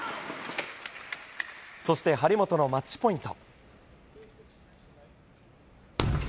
そして、張本のマッチポイント。